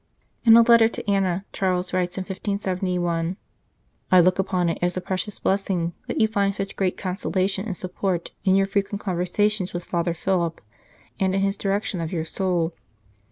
In a letter to Anna, Charles writes in 1571 :" I look upon it as a precious blessing that you find such great consolation and support in your frequent conversations with Father Philip, and in his direction of your soul.